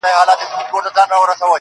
خو ژوند حتمي ستا له وجوده ملغلري غواړي.